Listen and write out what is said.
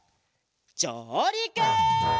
じょうりく！